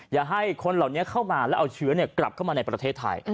อย่าให้คนเหล่านี้เข้ามาแล้วเอาเชื้อกลับเข้ามาในประเทศไทย